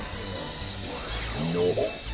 のほっ？